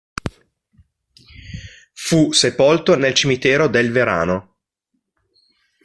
Fu sepolto nel cimitero del Verano.